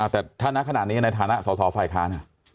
แต่ธนาขนาดนี้ในธนาศาสตร์ฝ่ายค้าน